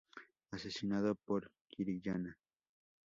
Asesinado por Kiriyama.